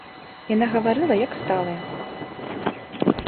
Яна гаварыла, як сталая.